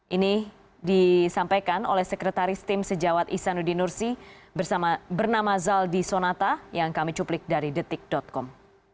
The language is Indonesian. ini disampaikan oleh sekretaris tim sejawat isanuddin nursi bernama zaldi sonata yang kami cuplik dari detik com